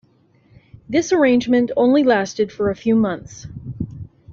This arrangement only lasted for a few months.